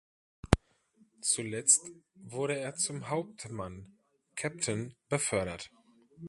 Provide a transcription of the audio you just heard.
Zuletzt wurde er zum Hauptmann "(Captain)" befördert.